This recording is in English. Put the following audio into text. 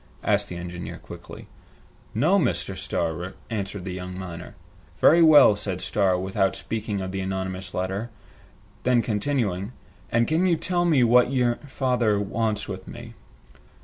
asked the engineer quickly. "No, Mr. Starr," answered the young miner. "Very well," said Starr, without speaking of the anonymous letter. Then, continuing, "And can you tell me what you father wants with me?"